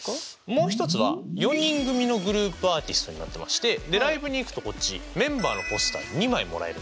もう１つは４人組のグループアーティストになってましてでライブに行くとこっちメンバーのポスター２枚もらえるんです。